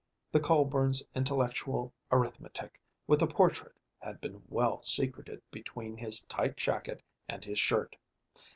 The Colburn's Intellectual Arithmetic with the portrait had been well secreted between his tight jacket and his shirt.